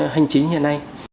hành chính như thế này